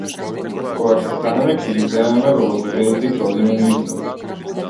Кога ќе станеме ќе ги земеме велосипедите и ќе одиме на излет.